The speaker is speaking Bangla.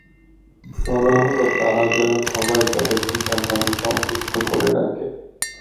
বলা হলো তারা যেন সবাই তাদের পিতার নামে সম্পৃক্ত করে ডাকে।